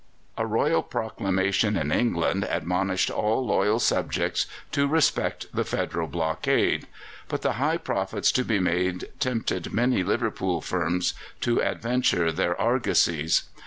A royal proclamation in England admonished all loyal subjects to respect the Federal blockade; but the high profits to be made tempted many Liverpool firms to adventure their argosies.